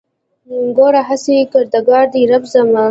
ګوره هسې کردګار دی رب زما